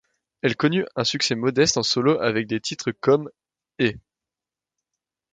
Elle connut un succès modeste en solo avec des titres comme ' et '.